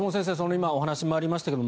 今、お話にもありましたけど